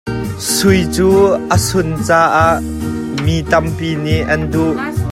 Sui cu a sun caah mi tampi nih an duh.